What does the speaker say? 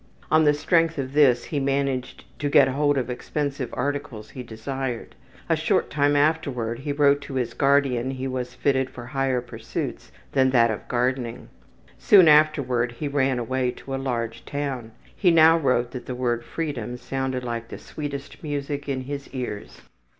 On the strength of this he managed to get hold of expensive articles he desired. A short time afterward he wrote to his guardian he was fitted for higher pursuits than that of gardening. Soon afterward he ran away to a large town. He now wrote that the word freedom sounded like the sweetest music in his ears.